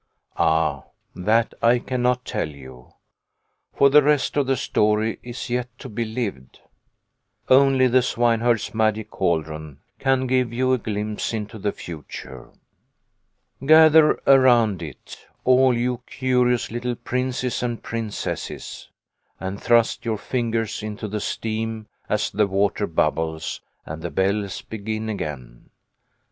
" Ah, that I cannot tell you, for the rest of the story is yet to be lived. Only the swineherd's magic cal dron can give you a glimpse into the future. Gather around it, all you curious little princes and princesses, and thrust your fingers into the steam as the water bubbles and the bells begin again.